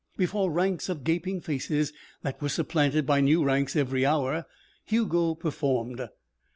Before ranks of gaping faces that were supplanted by new ranks every hour, Hugo performed.